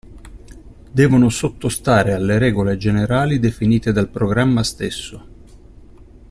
Devono sottostare alle regole generali definite dal programma stesso.